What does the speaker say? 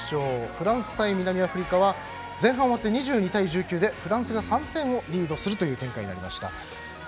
フランス対南アフリカは前半終わって２２対１９でフランスが３点をリードする展開でした。